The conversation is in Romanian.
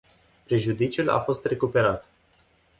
Prejudiciul a fost recuperat.